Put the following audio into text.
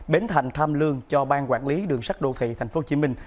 bến thành tham lương cho bang quản lý đường sắt đô thị tp hcm